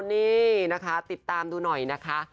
นี่นะคะติดตามดูหน่อยนะคะ